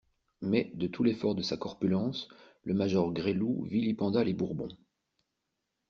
Mais, de tout l'effort de sa corpulence, le major Gresloup vilipenda les Bourbons.